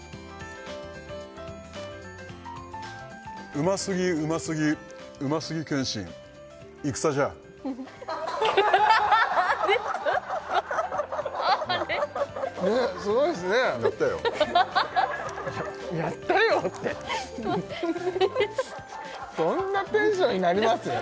うますぎうますぎうますぎ謙信戦じゃねっすごいっすねやったよ「やったよ」ってそんなテンションになります？